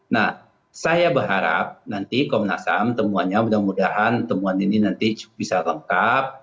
nah saya berharap nanti komnas ham temuannya mudah mudahan temuan ini nanti bisa lengkap